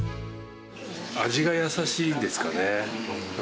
味が優しいんですかね。